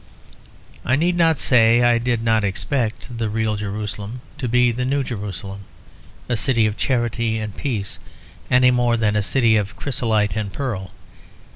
I need not say I did not expect the real Jerusalem to be the New Jerusalem; a city of charity and peace, any more than a city of chrysolite and pearl.